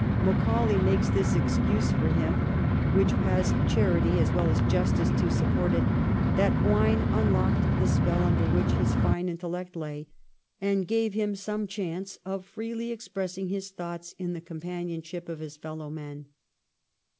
Macaulay makes this excuse for him which has charity as well as justice to sup port it, that wine unlocked the spell under which his fine intellect lay, and gave him some chance of freely expressing his thoughts in the companionship of his fellow men.